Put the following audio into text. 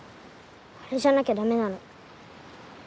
あれじゃなきゃ駄目なの。